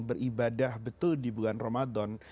beribadah betul di bulan ramadan